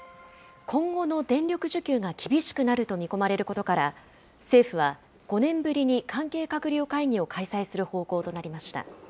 今後の電力需給が厳しくなると見込まれることから、政府は５年ぶりに関係閣僚会議を開催する方向となりました。